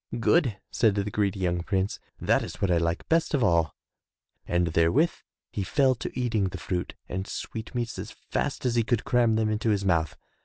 ''Good/* said the greedy young prince, "that is what I like best of all," and therewith he fell to eating the fruit and sweetmeats as fast as he could cram them into his mouth.